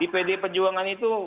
di pd pejuangan itu